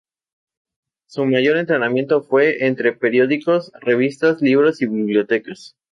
Su mayor entretenimiento fue entre periódicos, revistas, libros y bibliotecas.